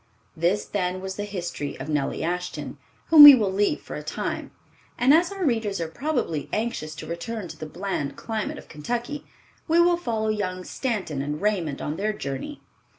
This, then, was the history of Nellie Ashton, whom we will leave for a time, and as our readers are probably anxious to return to the bland climate of Kentucky, we will follow young Stanton and Raymond on their journey.